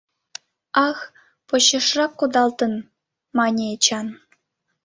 — Ах, почешрак кодалтын, — мане Эчан.